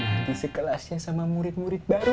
nanti sekelasnya sama murid murid baru